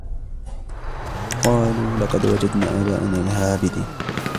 قَالُوا وَجَدْنَا آبَاءَنَا لَهَا عَابِدِينَ